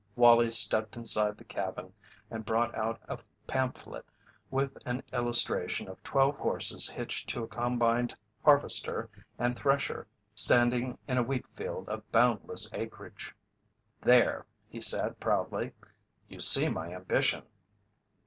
Wallie stepped inside the cabin and brought out a pamphlet with an illustration of twelve horses hitched to a combined harvester and thresher, standing in a wheat field of boundless acreage. "There," he said, proudly, "you see my ambition!"